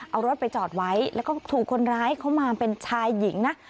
เอารถไปจอดไว้แล้วก็ถูกคนร้ายเข้ามาเป็นชายหญิงนะ